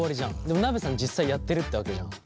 でもなべさん実際やってるってわけじゃん。